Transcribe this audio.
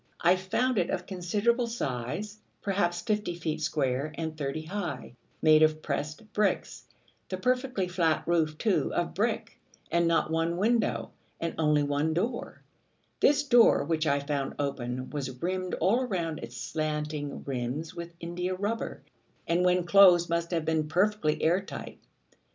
I found it of considerable size, perhaps fifty feet square, and thirty high, made of pressed bricks, the perfectly flat roof, too, of brick, and not one window, and only one door: this door, which I found open, was rimmed all round its slanting rims with india rubber, and when closed must have been perfectly air tight.